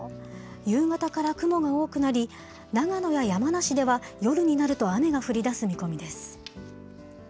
夕方から雲が多くなり、長野や山梨では夜になると雨が降りだす見込みです。